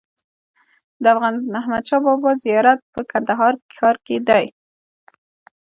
د احمدشاه بابا زيارت په کندهار ښار کي دئ.